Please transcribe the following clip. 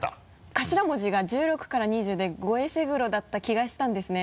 頭文字が１６から２０で「ゴエセグロ」だった気がしたんですね。